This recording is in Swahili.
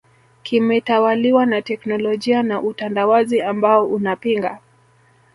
kimetawaliwa na teknolojia na utandawazi ambao unapinga